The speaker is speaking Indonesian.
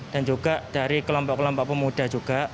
juga dari kelompok kelompok pemuda juga